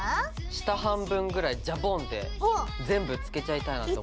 下半分ぐらいジャボンって全部つけちゃいたいなと。